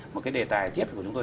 một cái đề tài tiếp của chúng tôi